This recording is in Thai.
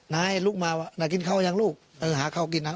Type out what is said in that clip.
นายลุกมานายกินข้าวยังลูกหาข้าวกินนะ